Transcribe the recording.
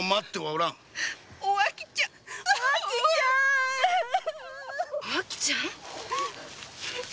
おあきちゃん。